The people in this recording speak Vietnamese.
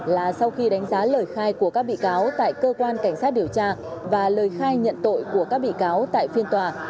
là sau khi đánh giá lời khai của các bị cáo tại cơ quan cảnh sát điều tra và lời khai nhận tội của các bị cáo tại phiên tòa